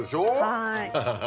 はい。